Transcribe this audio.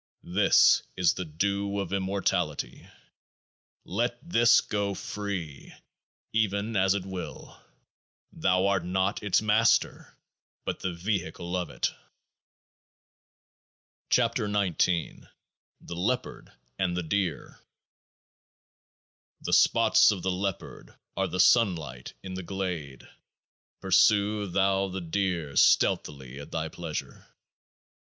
This is the Dew of Immortality. Let this go free, even as It will ; thou art not its master, but the vehicle of It. 27 KEOAAH 10 THE LEOPARD AND THE DEER The spots of the leopard are the sunlight in the glade ; pursue thou the deer stealthily at thy pleasure.